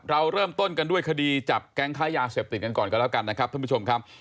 เราเริ่มต้นกันด้วยคดีจับแก๊งค้ายาเสพติดกันก่อนกันแล้วกันนะครับท่านผู้ชมครับ